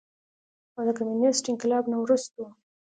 او د کميونسټ انقلاب نه وروستو